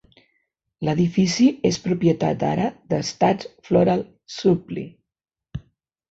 L'edifici es propietat ara de Stats Floral Supply.